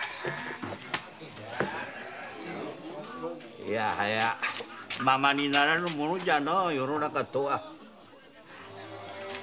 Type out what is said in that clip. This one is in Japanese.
いやはやままにならぬものじゃな世の中とは。